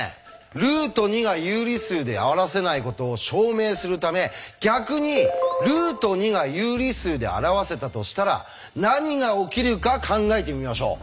ルート２が有理数で表せないことを証明するため逆にルート２が有理数で表せたとしたら何が起きるか考えてみましょう。